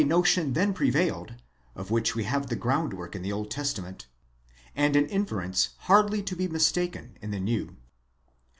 143 notion then prevailed, of which we have the groundwork in the Old Testament, and an inference hardly to be mistaken in the New.